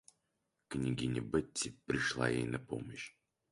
Княгиня Бетси пришла ей на помощь.